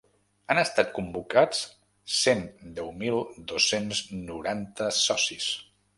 Han estat convocats cent deu mil dos-cents noranta socis.